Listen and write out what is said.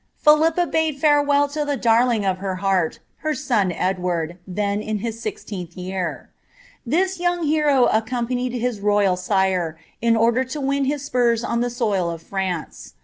Philippa bade fareweU to the darling of her heart, her ion Edward, then in his sixteenth year. This voting hero accompanied his royal sire, in order to win his spurs no iJie soil of Franee.